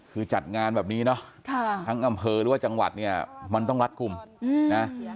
คือจัดงานแบบนี้เนาะทั้งอำเภอหรือว่าจังหวัดเนี่ยมันต้องรัดกลุ่มนะ